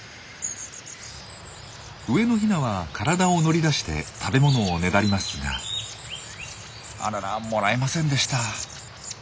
上のヒナは体を乗り出して食べ物をねだりますがあららもらえませんでした。